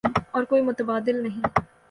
اور کوئی متبادل نہیں۔